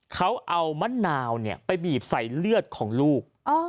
เขาเอามะนาวไปบีบใส่เลือดของลูก